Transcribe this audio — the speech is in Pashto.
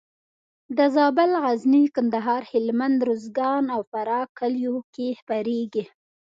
د زابل، غزني، کندهار، هلمند، روزګان او فراه کلیو کې خپرېږي.